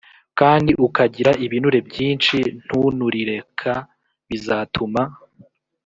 ndi ukagira ibinure byinshi ntunurireka bizatuma